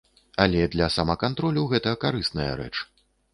Але для самакантролю гэта карысная рэч.